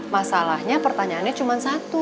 masalahnya pertanyaannya cuma satu